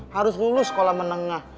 harus lulus sekolah menengah